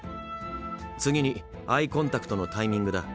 次にアイコンタクトのタイミングだ。